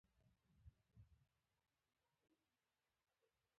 هغې د نرم ژوند په اړه خوږه موسکا هم وکړه.